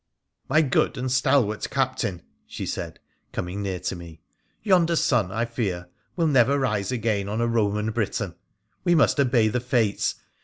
' My good and stalwart Captain,' she said, coming near tc me, ' yonder sun, I fear, will never rise again on a Eomari Briton ! We must obey the Fates.